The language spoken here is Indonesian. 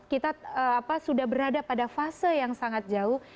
kita sudah berada pada fase yang sangat jauh